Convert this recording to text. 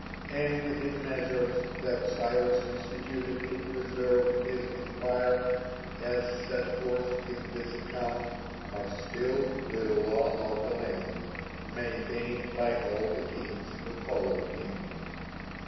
And the measures that Cyrus instituted to preserve his empire, as set forth in this account, are still the law of the land, maintained by all the kings who followed him.